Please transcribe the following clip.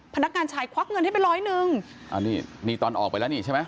พนักงานชายควักเงินให้ไปร้อยหนึ่งอ่านี่นี่ตอนออกไปแล้วนี่ใช่ไหม